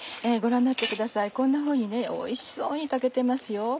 ご覧になってくださいこんなふうにおいしそうに炊けてますよ。